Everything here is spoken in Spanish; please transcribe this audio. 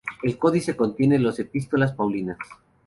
El codice contiene los Epístolas paulinas.